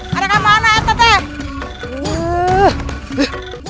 kalian kalian tidak tahu anything